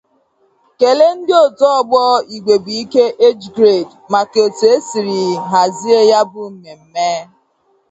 kelee ndị òtù ọgbọ 'Igwebuike Age Grade' maka etu e siri hazie ya bụ mmemme